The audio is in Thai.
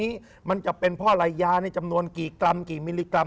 นี้มันจะเป็นเพราะอะไรยาในจำนวนกี่กรัมกี่มิลลิกรั